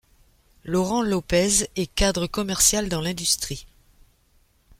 Laurent Lopez est cadre commercial dans l'industrie.